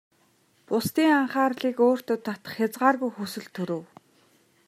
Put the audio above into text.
Бусдын анхаарлыг өөртөө татах хязгааргүй хүсэл төрөв.